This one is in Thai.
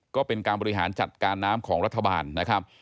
ก็เป็นการบริหารจัดการน้ำของรัฐบาลนะครับ